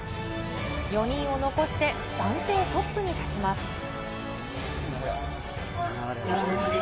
４人を残して暫定トップに立ちます。